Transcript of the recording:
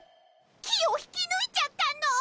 木を引き抜いちゃったの？